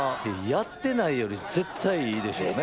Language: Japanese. やってないより絶対いいでしょうね。